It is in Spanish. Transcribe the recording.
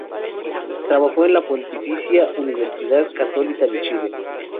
Trabajó en la Pontificia Universidad Católica de Chile.